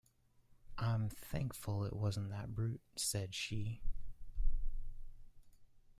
“I’m thankful it wasn’t that brute,” said she.